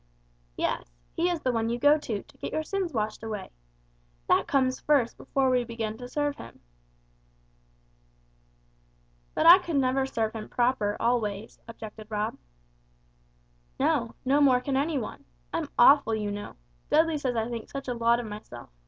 "Yes, He is the one you go to, to get your sins washed away. That comes first before we begin to serve Him." "But I never could serve Him proper, always," objected Rob. "No, nor more can any one. I'm awful, you know! Dudley says I think such a lot of myself.